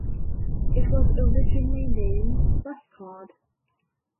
It was originally named 'BusCard'.